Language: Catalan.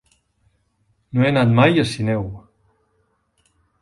No he anat mai a Sineu.